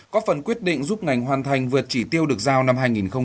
có phần quyết định giúp ngành hoàn thành vượt chỉ tiêu được giao năm hai nghìn một mươi tám